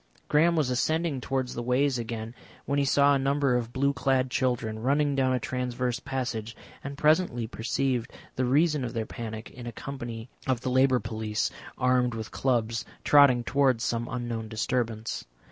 Graham was ascending towards the ways again when he saw a number of blue clad children running down a transverse passage, and presently perceived the reason of their panic in a company of the Labour Police armed with clubs, trotting towards some unknown disturbance.